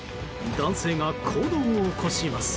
男性が行動を起こします。